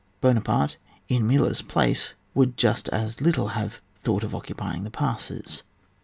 Buonaparte, in Mela's place, would just as little have thought of occupying the passes.